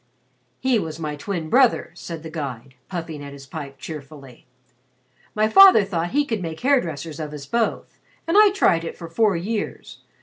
"He was my twin brother," said the guide, puffing at his pipe cheerfully. "My father thought he could make hair dressers of us both, and I tried it for four years.